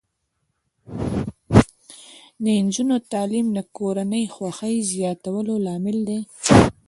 د نجونو تعلیم د کورنۍ خوښۍ زیاتولو لامل دی.